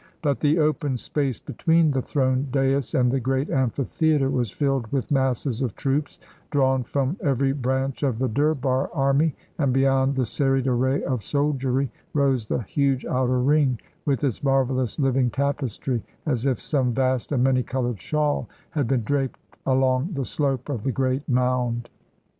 But the open space between the throne dais and the great amphitheater was filled with masses of troops drawn from every branch of the Durbar 249 INDIA army, and beyond the serried array of soldiery rose the huge outer ring, with its marvelous living tapestry, as if some vast and many colored shawl had been draped along the slope of the great mound.